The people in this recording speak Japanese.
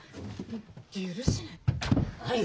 許せない！